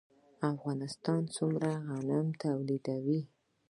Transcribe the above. افغانستان څومره غنم تولیدوي؟